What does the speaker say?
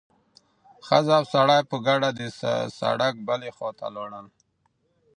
ښځه او سړی په ګډه د سړک بلې خوا ته لاړل.